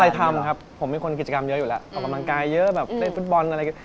ให้คนอะไรทำครับผมเป็นคนกิจกรรมเยอะอยู่แล้วออกกำลังกายเยอะแบบเล่นฟุตบอลอะไร